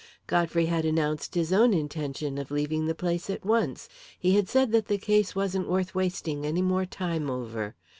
Godfrey had announced his own intention of leaving the place at once he had said that the case wasn't worth wasting any more time over.